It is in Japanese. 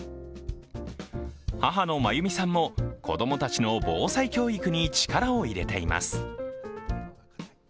母の眞由美さんも、子供たちの防災教育に力を入れています。